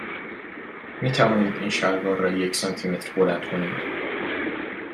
می توانید این شلوار را یک سانتی متر بلند کنید؟